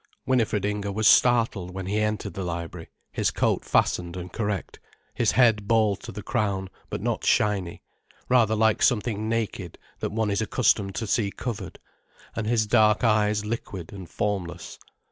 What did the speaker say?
Winifred Inger was startled when he entered the library, his coat fastened and correct, his head bald to the crown, but not shiny, rather like something naked that one is accustomed to see covered, and his dark eyes liquid and formless.